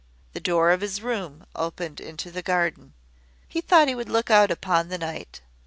The door of his room opened into the garden. He thought he would look out upon the night.